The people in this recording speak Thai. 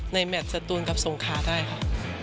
ในแมตต์สตูนกับสงคาได้ค่ะ